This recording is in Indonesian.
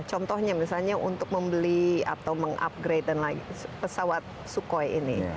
contohnya misalnya untuk membeli atau mengupgrade pesawat sukhoi ini